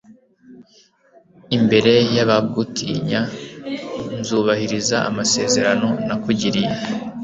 imbere y’abagutinya nzubahiriza amasezerano nakugiriye